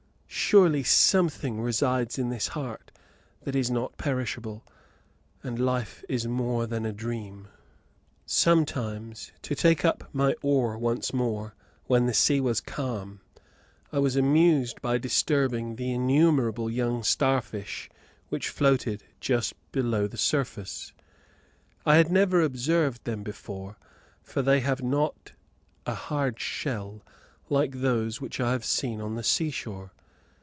Surely something resides in this heart that is not perishable, and life is more than a dream. Sometimes, to take up my oar once more, when the sea was calm, I was amused by disturbing the innumerable young star fish which floated just below the surface; I had never observed them before, for they have not a hard shell like those which I have seen on the seashore.